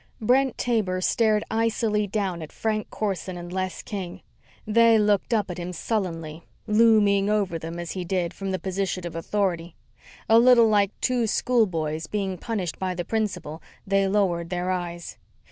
Brent Taber stared icily down at Frank Corson and Les King. They looked up at him sullenly, looming over them as he did, from the position of authority. A little like two schoolboys being punished by the principal, they lowered their eyes.